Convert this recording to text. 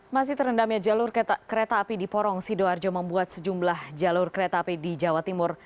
masih terendamnya jalur kereta api di porong sidoarjo membuat sejumlah jalur kereta api di jawa timur